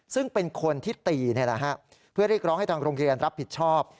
ซึ่งเป็นคนที่ตีเพื่อเรียกร้องให้ทางโรงเรียนรับผิดชอบ